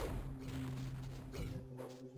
নে পারলে আমাকে ছুঁয়ে দেখা।